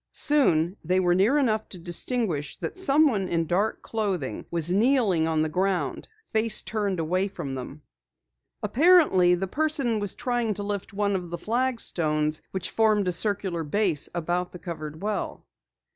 Soon they were near enough to distinguish that someone in dark clothing was kneeling on the ground, face turned away from them. Apparently the person was trying to lift one of the flagstones which formed a circular base about the covered well.